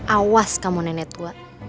awas kamu nenek tua